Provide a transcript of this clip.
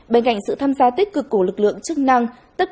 bên cạnh sự tham gia tích cực của lực lượng chức năng